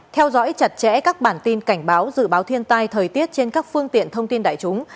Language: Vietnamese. theo dõi chặt chẽ các bản tin cảnh báo dự báo thiên tai thời tiết trên các phương tiện thông tin đại chúng